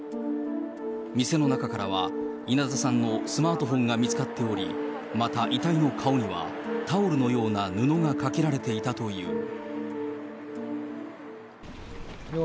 店の中からは、稲田さんのスマートフォンが見つかっており、また、遺体の顔には、タオルのような布がかけられていたという。